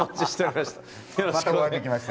またお会いできました。